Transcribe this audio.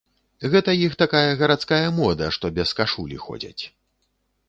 Гэта іх такая гарадская мода, што без кашулі ходзяць.